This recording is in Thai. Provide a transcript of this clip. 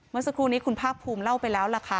เมื่อสักครู่นี้คุณภาคภูมิเล่าไปแล้วล่ะค่ะ